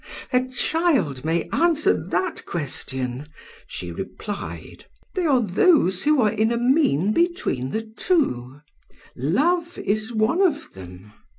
'A child may answer that question,' she replied; 'they are those who are in a mean between the two; Love is one of them.